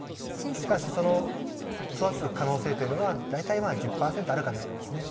しかしその育つ可能性というのは大体１０％あるかないかですね。